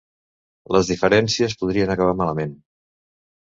Les diferències podrien acabar malament.